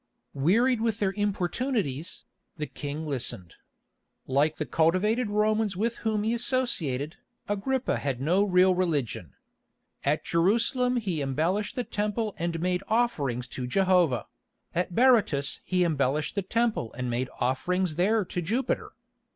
Wearied with their importunities, the King listened. Like the cultivated Romans with whom he associated, Agrippa had no real religion. At Jerusalem he embellished the Temple and made offerings to Jehovah; at Berytus he embellished the temple and made offerings there to Jupiter.